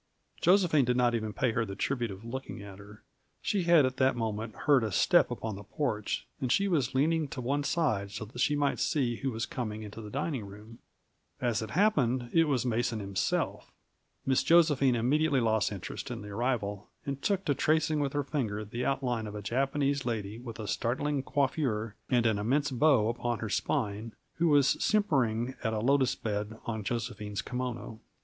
Josephine did not even pay her the tribute of looking at her; she had at that moment heard a step upon the porch, and she was leaning to one side so that she might see who was coming into the dining room. As it happened, it was Mason himself. Miss Josephine immediately lost interest in the arrival and took to tracing with her finger the outline of a Japanese lady with a startling coiffure and an immense bow upon her spine, who was simpering at a lotus bed on Josephine's kimono.